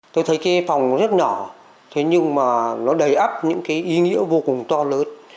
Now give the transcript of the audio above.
tôi thấy cái phòng rất nhỏ nhưng mà nó đầy ấp những ý nghĩa vô cùng to lớn